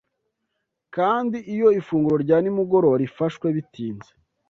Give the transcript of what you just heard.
Kandi iyo ifunguro rya nimugoroba rifashwe bitinze